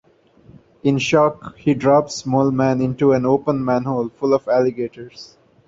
In shock, he drops Moleman into an open manhole full of alligators.